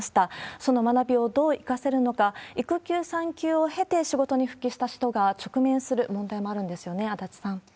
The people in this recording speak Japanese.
その学びをどう生かせるのか、育休、産休を経て、仕事に復帰した人が直面する問題もあるんですよね、足立さん。